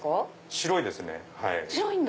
白いですね。